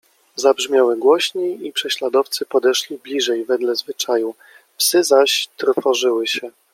zabrzmiały głośniej i prześladowcy podeszli bliżej wedle zwyczaju, psy zaś trwożyły się